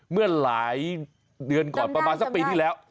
เมื่อหลายเดือนก่อนประมาณสักปีที่แล้ว